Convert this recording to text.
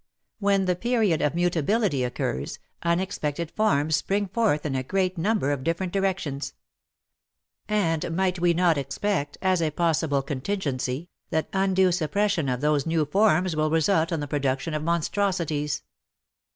When the period of mutability occurs, unexpected forms spring forth in a great number of different directions." And might we not expect, as a possible contingency, that undue suppression of those new forms will result in the production of monstrosities.